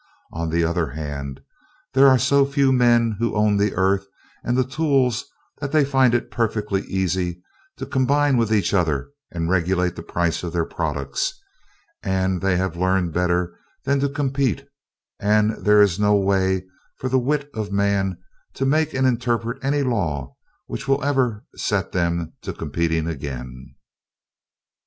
On the other hand, there are so few men who own the earth and the tools that they find it perfectly easy to combine with each other and regulate the price of their products, and they have learned better than to compete, and there is no way for the wit of man to make and interpret any law which will ever set them to competing again.